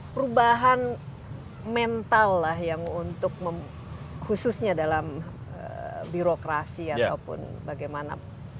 perubahan mental lah yang untuk khususnya dalam birokrasi ataupun bagaimana